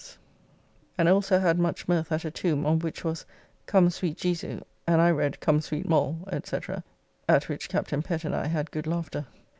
] and also had much mirth at a tomb, on which was "Come sweet Jesu," and I read "Come sweet Mall," &c., at which Captain Pett and I had good laughter.